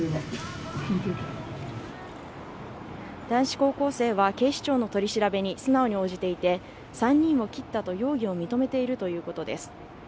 男子高校生は警視庁の取り調べに素直に応じていて３人を切ったと容疑を認めているということです